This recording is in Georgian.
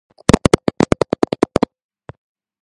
დაწყვილებული პილასტრები წარმოდგენილია დორიულ სტილში.